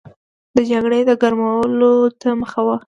د جګړې د ګرمولو ته مخه وه.